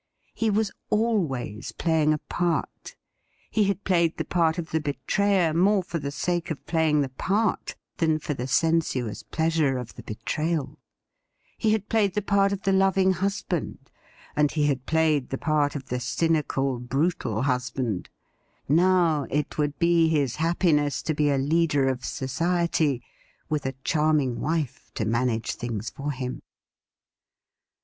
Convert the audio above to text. He was always playing a part ; he had played the part of the betrayer more for the sake of playing the part than for the sensuous pleasure of the betrayal ; he had played the part of the loving husband, and he had played the part of the cynical, brutal husband ; now it would be his happiness to be a leader of society, with a charming wife to manage things for him.